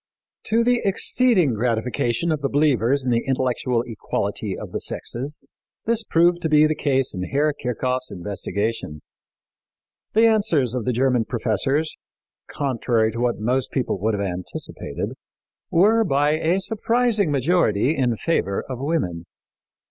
To the exceeding gratification of the believers in the intellectual equality of the sexes, this proved to be the case in Herr Kirchhoff's investigation. The answers of the German professors, contrary to what most people would have anticipated, were, by a surprising majority, in favor of women.